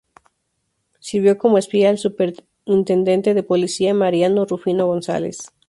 Sirvió como espía al superintendente de policía Mariano Rufino González.